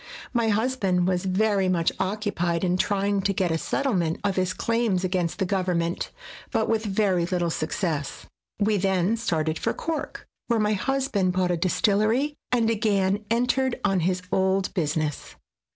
My hus band was very much occupied in trying to get a settlement of his claims against the government, but with very little success. We then started for Cork, where my husband bought a distillery, and again entered on his old business.